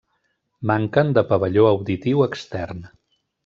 Manquen de pavelló auditiu extern.